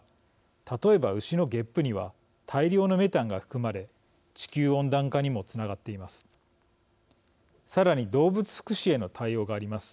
例えば、牛のゲップには大量のメタンが含まれ地球温暖化にもつながっています。